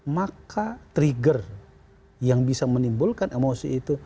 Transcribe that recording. maka trigger yang bisa menimbulkan emosi itu